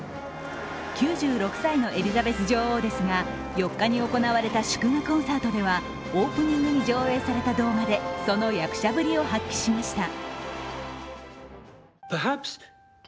９６歳のエリザベス女王ですが４日に行われた祝賀コンサートではオープニングに上映された動画でその役者ぶりを発揮しました。